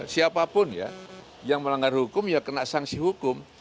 siapapun ya yang melanggar hukum ya kena sanksi hukum